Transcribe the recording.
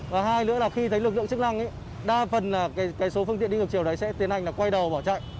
và hai nữa là khi thấy lực lượng chức năng đa phần là cái số phương tiện đi ngược chiều đấy sẽ tiến hành là quay đầu bỏ chạy